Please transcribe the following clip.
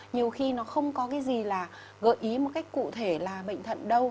nhiều khi nó không có cái gì là gợi ý một cách cụ thể là bệnh thận đâu